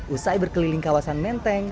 usai berkeliling kawasan menteng